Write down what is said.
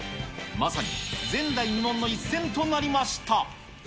まさに前代未聞の一戦となりました。